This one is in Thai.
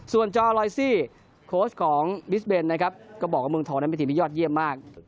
ส่วนจอลอยซี่โค้ชของบิสเบนนะครับก็บอกว่าเมืองทองนั้นเป็นทีมที่ยอดเยี่ยมมาก